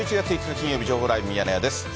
金曜日、情報ライブミヤネ屋です。